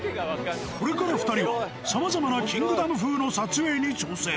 これから２人は、さまざまなキングダム風の撮影に挑戦。